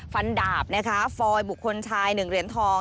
ดาบนะคะฟอยบุคคลชาย๑เหรียญทอง